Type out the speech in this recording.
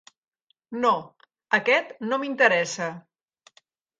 No, aquest no m'interessa.